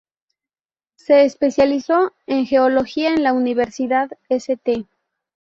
Se especializó en geología en la Universidad St.